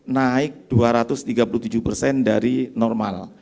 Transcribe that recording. naik dua ratus tiga puluh tujuh persen dari normal